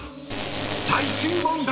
［最終問題］